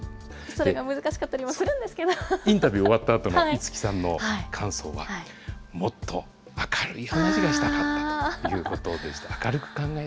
それが難しかったりもするんインタビュー終わったあとの五木さんの感想は、もっと明るい話がしたかったということでした。